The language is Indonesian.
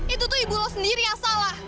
itu tuh ibu lo sendiri yang salah